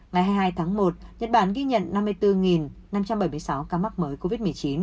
ngày hai mươi hai tháng một nhật bản ghi nhận năm mươi bốn năm trăm bảy mươi sáu ca mắc mới covid một mươi chín